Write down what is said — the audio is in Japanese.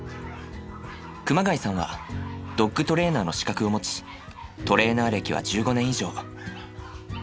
熊谷さんはドッグトレーナーの資格を持ちトレーナー歴は１５年以上。